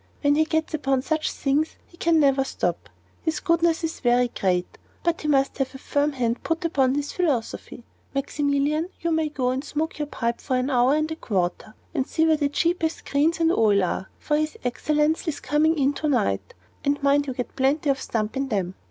When he gets upon such things, he never can stop. His goodness is very great; but he must have a firm hand put upon his 'philosophy.' Maximilian, you may go and smoke your pipe for an hour and a quarter, and see where the cheapest greens and oil are, for his Excellence is coming in to night; and mind you get plenty of stump in them.